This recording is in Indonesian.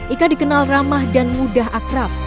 ika dikenal ramah dan mudah akrab